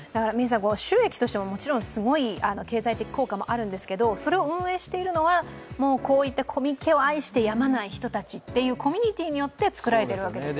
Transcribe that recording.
収益としてもすごい経済効果ももちろんですけどそれを運営しているのはコミケを愛してやまない人たちというコミュニティによって作られているんですよね。